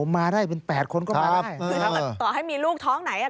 มาได้เป็นแปดคนก็มาได้ต่อให้มีลูกท้องไหนอ่ะ